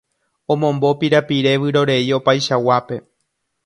Omombo pirapire vyrorei opaichaguápe